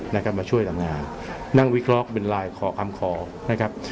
นะครับมาช่วยทำงานนั่งวิเคราะห์เป็นลายขอคำคอนะครับ